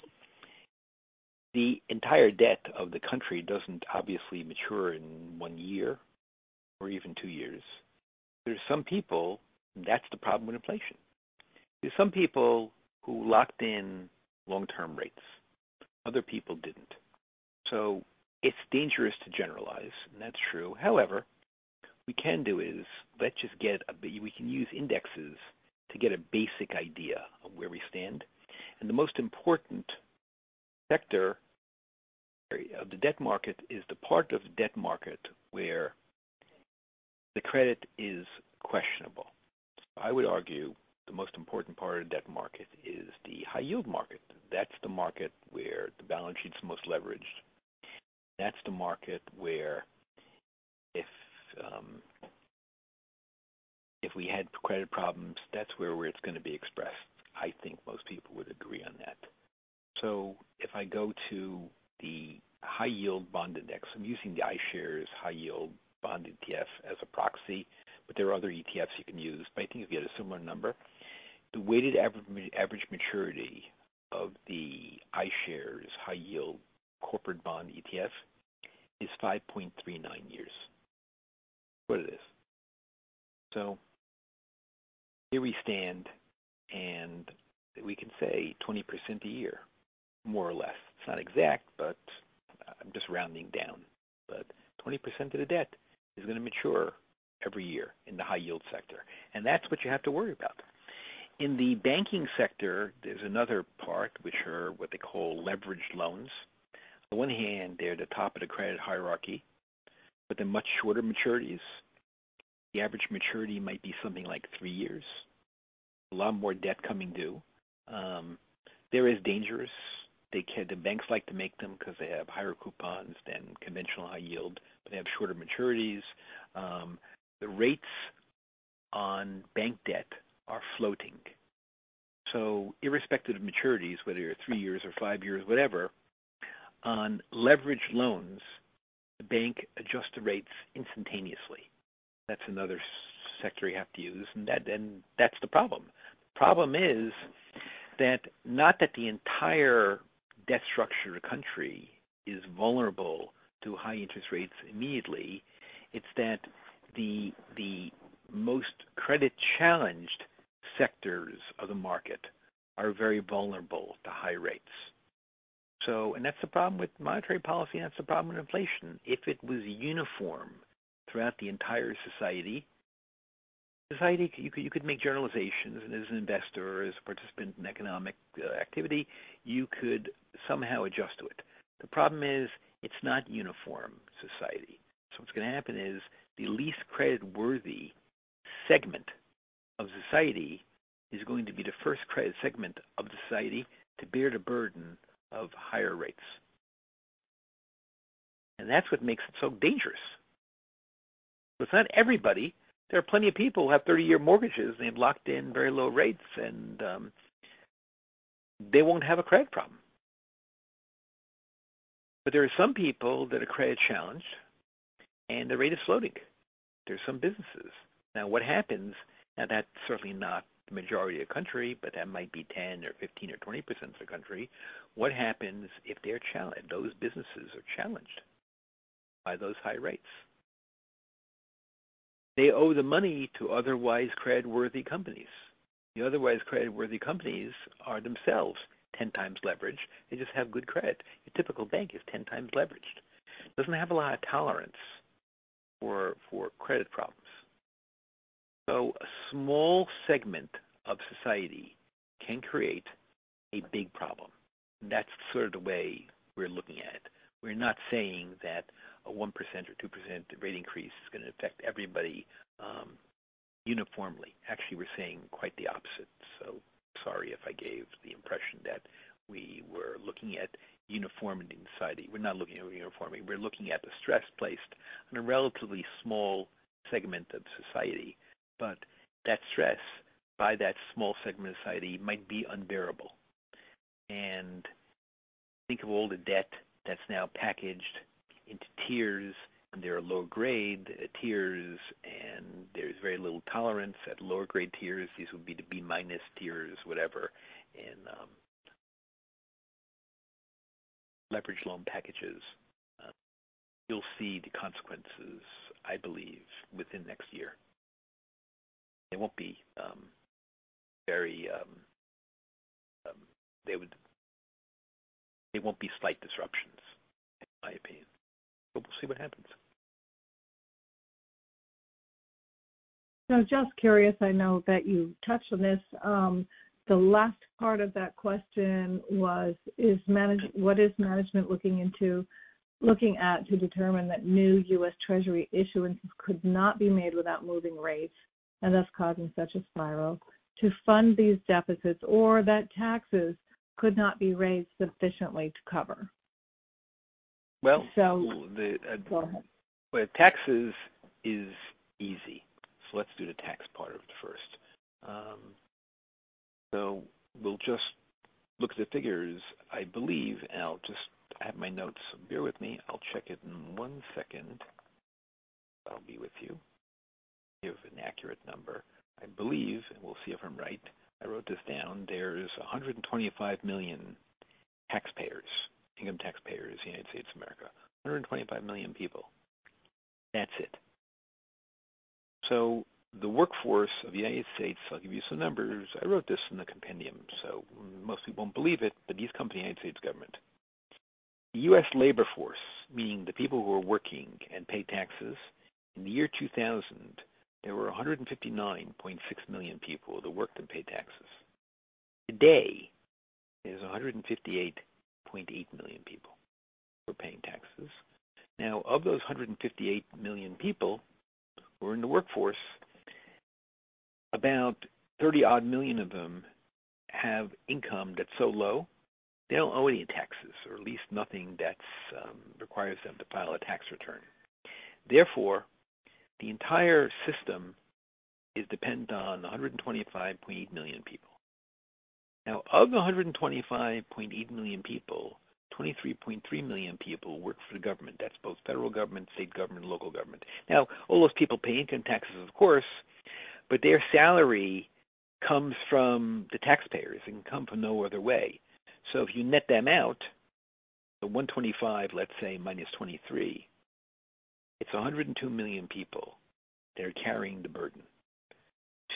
The entire debt of the country doesn't obviously mature in one year or even two years. There's some people. That's the problem with inflation. There's some people who locked in long-term rates. Other people didn't. It's dangerous to generalize, and that's true. However, what we can do is we can use indexes to get a basic idea of where we stand. The most important sector of the debt market is the part of debt market where the credit is questionable. I would argue the most important part of the debt market is the high-yield market. That's the market where the balance sheet's most leveraged. That's the market where if we had credit problems, that's where it's gonna be expressed. I think most people would agree on that. If I go to the high-yield bond index, I'm using the iShares iBoxx $ High Yield Corporate Bond ETF as a proxy, but there are other ETFs you can use, but I think you'll get a similar number. The weighted average maturity of the iShares iBoxx $ High Yield Corporate Bond ETF is 5.39 years. That's what it is. Here we stand, and we can say 20% a year, more or less. It's not exact, but I'm just rounding down. Twenty percent of the debt is going to mature every year in the high-yield sector, and that's what you have to worry about. In the banking sector, there's another part which are what they call leveraged loans. On one hand, they're the top of the credit hierarchy, but they're much shorter maturities. The average maturity might be something like three years. A lot more debt coming due. They're as dangerous. The banks like to make them because they have higher coupons than conventional high-yield. They have shorter maturities. The rates on bank debt are floating. Irrespective of maturities, whether you're three years or five years, whatever, on leveraged loans, the bank adjusts the rates instantaneously. That's another sector you have to use. That's the problem. Problem is that the entire debt structure of the country is vulnerable to high interest rates immediately. It's that the most credit-challenged sectors of the market are very vulnerable to high rates. That's the problem with monetary policy, and that's the problem with inflation. If it was uniform throughout the entire society, you could make generalizations as an investor or as a participant in economic activity. You could somehow adjust to it. The problem is it's not uniform society. What's going to happen is the least creditworthy segment of society is going to be the first credit segment of society to bear the burden of higher rates. That's what makes it so dangerous. It's not everybody. There are plenty of people who have 30-year mortgages, and they've locked in very low rates, and they won't have a credit problem. There are some people that are credit-challenged, and their rate is floating. There's some businesses. Now, that's certainly not the majority of the country, but that might be 10 or 15 or 20% of the country. What happens if they're challenged, those businesses are challenged by those high rates? They owe the money to otherwise creditworthy companies. The otherwise creditworthy companies are themselves 10 times leveraged. They just have good credit. A typical bank is 10 times leveraged. Doesn't have a lot of tolerance for credit problems. A small segment of society can create a big problem. That's sort of the way we're looking at it. We're not saying that a 1% or 2% rate increase is going to affect everybody, uniformly. Actually, we're saying quite the opposite. Sorry if I gave the impression that we were looking at uniformity in society. We're not looking at uniformity. We're looking at the stress placed on a relatively small segment of society. That stress by that small segment of society might be unbearable. Think of all the debt that's now packaged into tiers, and there are lower grade tiers, and there's very little tolerance at lower grade tiers. These would be the B-minus tiers, whatever. Leveraged loan packages, you'll see the consequences, I believe, within next year. They won't be slight disruptions, in my opinion. We'll see what happens. Just curious, I know that you touched on this. The last part of that question was, what is management looking at to determine that new U.S. Treasury issuances could not be made without moving rates and thus causing such a spiral to fund these deficits or that taxes could not be raised sufficiently to cover? Well- Go ahead. Well, taxes is easy. Let's do the tax part of it first. We'll just look at the figures, I believe, and I'll just I have my notes. Bear with me. I'll check it in one second. I'll be with you. Give an accurate number. I believe, and we'll see if I'm right. I wrote this down. There's 125 million taxpayers, income taxpayers in the United States of America. 125 million people. That's it. The workforce of the United States, I'll give you some numbers. I wrote this in the compendium, so most people won't believe it, but these come from the United States government. The U.S. labor force, meaning the people who are working and pay taxes, in the year 2000, there were 159.6 million people that worked and paid taxes. Today, there's 158.8 million people who are paying taxes. Now, of those 158.8 million people who are in the workforce, about 30-odd million of them have income that's so low, they don't owe any taxes, or at least nothing that's requires them to file a tax return. Therefore, the entire system is dependent on 125.8 million people. Now of the 125.8 million people, 23.3 million people work for the government. That's both federal government, state government, and local government. Now, all those people pay income taxes, of course, but their salary comes from the taxpayers. It can come from no other way. If you net them out, the 125, let's say minus 23, it's 102 million people that are carrying the burden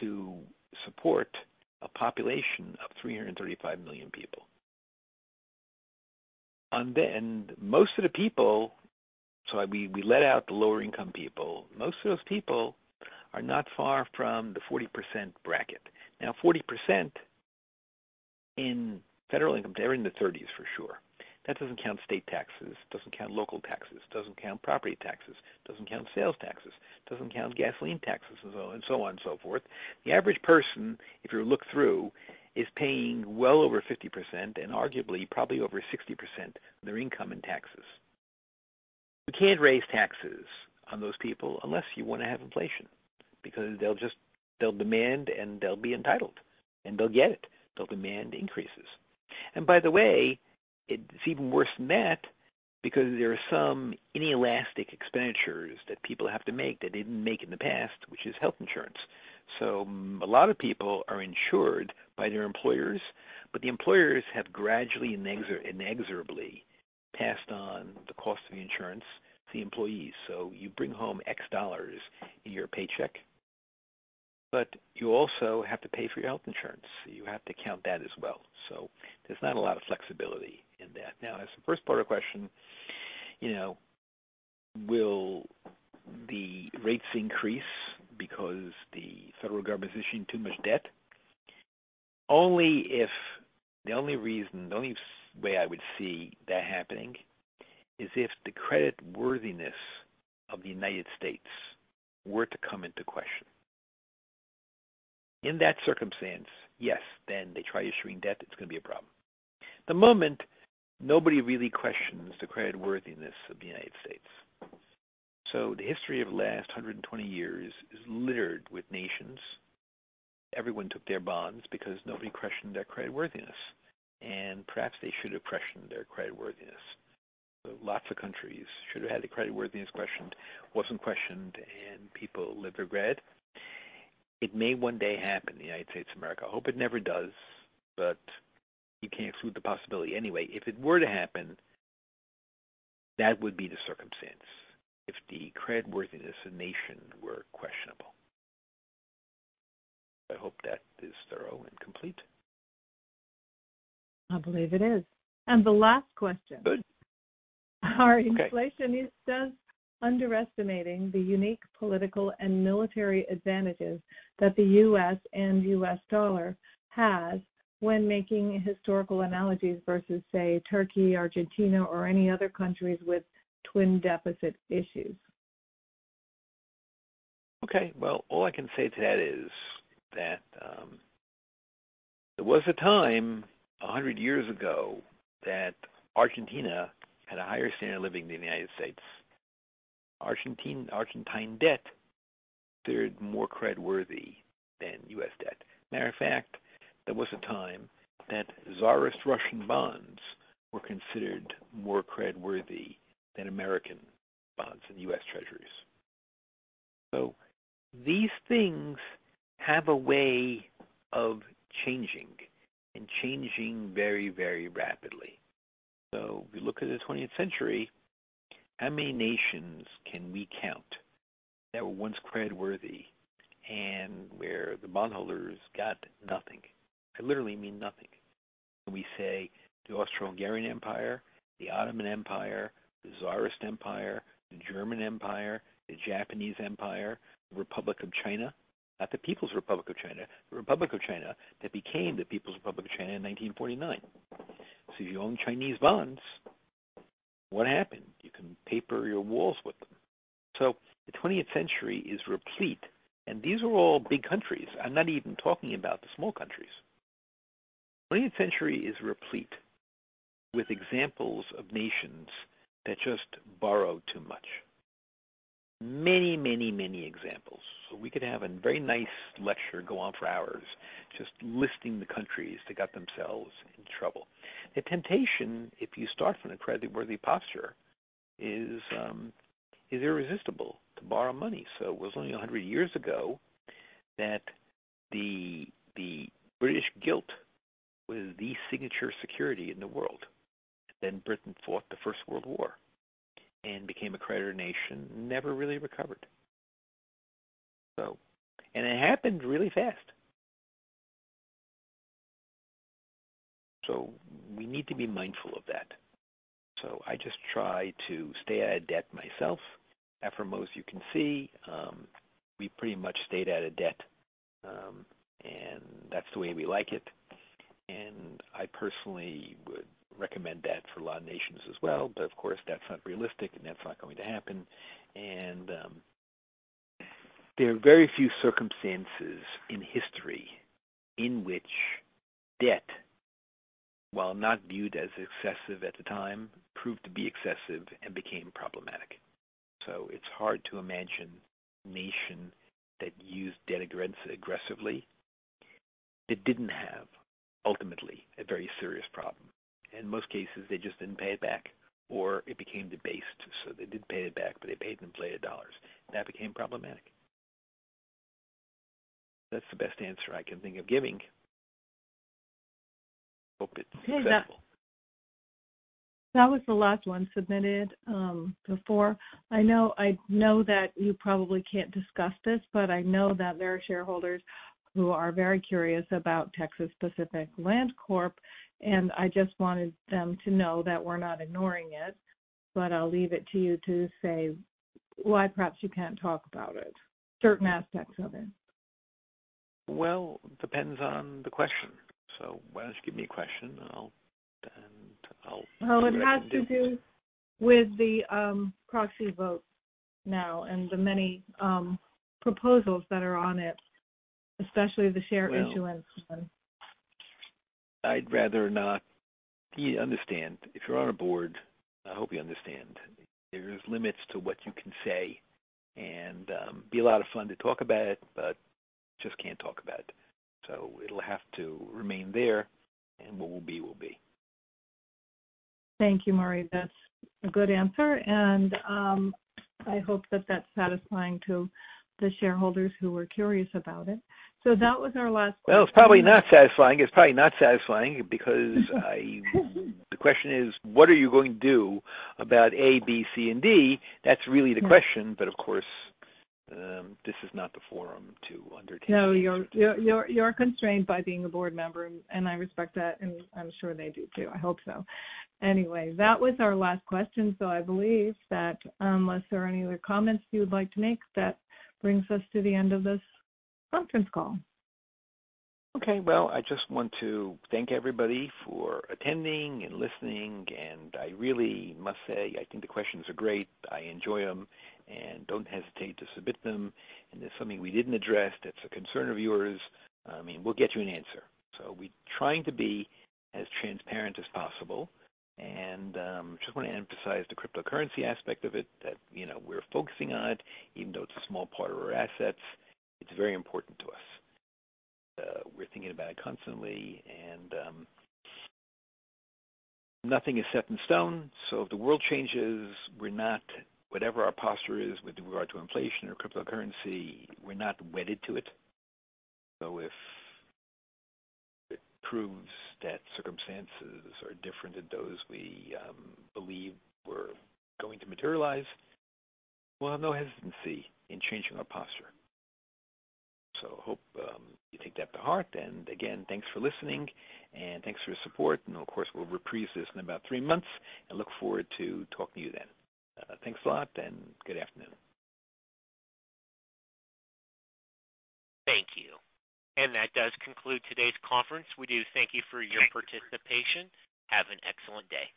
to support a population of 335 million people. Most of the people, we let out the lower income people. Most of those people are not far from the 40% bracket. Now, 40% in federal income, they're in the 30s for sure. That doesn't count state taxes, doesn't count local taxes, doesn't count property taxes, doesn't count sales taxes, doesn't count gasoline taxes, and so on and so forth. The average person, if you look through, is paying well over 50% and arguably probably over 60% of their income in taxes. We can't raise taxes on those people unless you wanna have inflation, because they'll just. They'll demand, and they'll be entitled, and they'll get it. They'll demand increases. By the way, it's even worse than that because there are some inelastic expenditures that people have to make that they didn't make in the past, which is health insurance. A lot of people are insured by their employers, but the employers have gradually inexorably passed on the cost of the insurance to the employees. You bring home X dollars in your paycheck, but you also have to pay for your health insurance. You have to count that as well. There's not a lot of flexibility in that. Now, as the first part of the question, you know, will the rates increase because the federal government is issuing too much debt? The only reason, the only way I would see that happening is if the creditworthiness of the United States were to come into question. In that circumstance, yes. They try issuing debt, it's gonna be a problem. At the moment, nobody really questions the creditworthiness of the United States. The history of the last 120 years is littered with nations. Everyone took their bonds because nobody questioned their creditworthiness, and perhaps they should have questioned their creditworthiness. Lots of countries should have had their creditworthiness questioned. Wasn't questioned, and people lived to regret. It may one day happen in the United States of America. I hope it never does, but you can't exclude the possibility. If it were to happen, that would be the circumstance, if the creditworthiness of the nation were questionable. I hope that is thorough and complete. I believe it is. The last question. Good. Are inflationists underestimating the unique political and military advantages that the U.S. and U.S. dollar has when making historical analogies versus, say, Turkey, Argentina, or any other countries with twin deficit issues? Okay, well, all I can say to that is that there was a time 100 years ago that Argentina had a higher standard of living than the United States. Argentine debt considered more creditworthy than U.S. debt. Matter of fact, there was a time that Czarist Russian bonds were considered more creditworthy than American bonds and U.S. Treasuries. These things have a way of changing and changing very, very rapidly. If you look at the twentieth century, how many nations can we count that were once creditworthy and where the bondholders got nothing? I literally mean nothing. We say the Austro-Hungarian Empire, the Ottoman Empire, the Czarist Empire, the German Empire, the Japanese Empire, the Republic of China. Not the People's Republic of China, the Republic of China that became the People's Republic of China in 1949. If you own Chinese bonds, what happened? You can paper your walls with them. The twentieth century is replete, and these are all big countries. I'm not even talking about the small countries. Twentieth century is replete with examples of nations that just borrow too much. Many, many, many examples. We could have a very nice lecture go on for hours just listing the countries that got themselves in trouble. The temptation, if you start from the creditworthy posture, is irresistible to borrow money. It was only 100 years ago that the British gilt was the signature security in the world. Then Britain fought the First World War and became a creditor nation, never really recovered. It happened really fast. We need to be mindful of that. I just try to stay out of debt myself. At FRMO, you can see, we pretty much stayed out of debt, and that's the way we like it. I personally would recommend that for a lot of nations as well, but of course, that's not realistic, and that's not going to happen. There are very few circumstances in history in which debt, while not viewed as excessive at the time, proved to be excessive and became problematic. It's hard to imagine a nation that used debt aggressively that didn't ultimately have a very serious problem. In most cases, they just didn't pay it back or it became debased, so they did pay it back, but they paid a pile of dollars. That became problematic. That's the best answer I can think of giving. I hope it's successful. That was the last one submitted before. I know that you probably can't discuss this, but I know that there are shareholders who are very curious about Texas Pacific Land Corporation, and I just wanted them to know that we're not ignoring it. But I'll leave it to you to say why perhaps you can't talk about it, certain aspects of it. Well, it depends on the question. Why don't you give me a question, and I'll Well, it has to do with the proxy vote now and the many proposals that are on it, especially the share issuance one. I'd rather not. You understand. If you're on a board, I hope you understand there's limits to what you can say and be a lot of fun to talk about it, but just can't talk about it. It'll have to remain there, and what will be will be. Thank you, Murray. That's a good answer. I hope that that's satisfying to the shareholders who were curious about it. That was our last question. Well, it's probably not satisfying. The question is, what are you going to do about A, B, C and D? That's really the question. Of course, this is not the forum to undertake. No, you're constrained by being a board member, and I respect that, and I'm sure they do too. I hope so. Anyway, that was our last question. I believe that unless there are any other comments you would like to make, that brings us to the end of this conference call. Okay. Well, I just want to thank everybody for attending and listening, and I really must say, I think the questions are great. I enjoy them. Don't hesitate to submit them. If something we didn't address that's a concern of yours, I mean, we'll get you an answer. We're trying to be as transparent as possible. Just want to emphasize the cryptocurrency aspect of it that, you know, we're focusing on, even though it's a small part of our assets, it's very important to us. We're thinking about it constantly. Nothing is set in stone. If the world changes, we're not whatever our posture is with regard to inflation or cryptocurrency, we're not wedded to it. If it proves that circumstances are different than those we believe were going to materialize, we'll have no hesitancy in changing our posture. Hope you take that to heart. Again, thanks for listening and thanks for your support. Of course, we'll reprise this in about three months and look forward to talking to you then. Thanks a lot and good afternoon. Thank you. That does conclude today's conference. We do thank you for your participation. Have an excellent day.